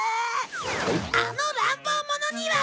あの乱暴者には。